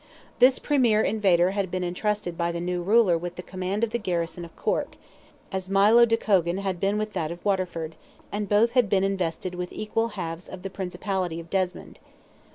This premier invader had been entrusted by the new ruler with the command of the garrison of Cork, as Milo de Cogan had been with that of Waterford, and both had been invested with equal halves of the principality of Desmond.